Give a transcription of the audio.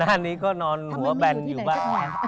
ท่านนี้ก็นอนหัวแบนอยู่บ้าง